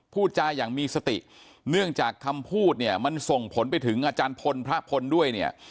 พูดจาอย่างมีสติเนื่องจากคำพูดเนี่ยมันส่งผลไปถึงอาจารย์พลพระพลด้วยเนี่ย